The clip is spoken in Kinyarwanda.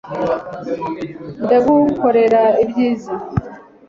ndagukorera ibyiza